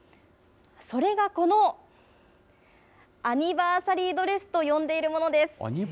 それがこのアニバーサリードレスと呼んでいるものです。